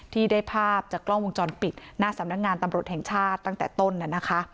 ที่ได้ภาพจากกล้องวงจรปิดหน้าสำนักงานตำรวจแห่งชาติตั้งแต่ต้น